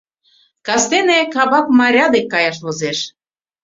Кастене Кабак Майра дек каяш возеш.